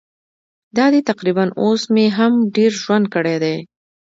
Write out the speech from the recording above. دا دی تقریباً اوس مې هم ډېر ژوند کړی دی.